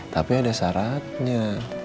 tapi ada syaratnya